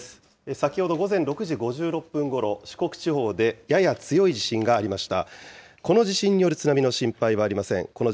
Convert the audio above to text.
先ほど午前６時５６分ごろ、四国地方でやや強い地震がありました。